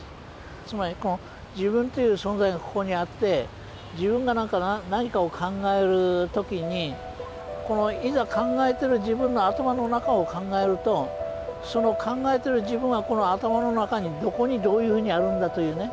つまり自分という存在がここにあって自分が何かを考える時にいざ考えてる自分の頭の中を考えるとその考えてる自分はこの頭の中にどこにどういうふうにあるんだというね